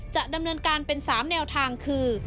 จะดำเนินการเป็น๓แนวทางคือ